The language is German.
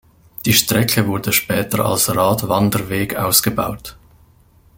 Die Strecke wurde später als Radwanderweg ausgebaut.